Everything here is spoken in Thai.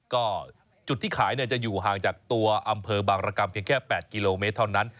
ก็จุดที่ขายจะอยู่ห่างจากตัวอำเภอบางรกรรมเพียงแค่๘กิโลเมตรเท่านั้น